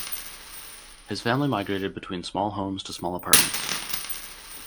His family migrated between small homes to small apartments.